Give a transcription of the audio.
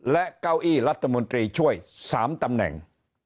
และเก้าอี้รัฐมนตรีช่วย๓ตำแหน่ง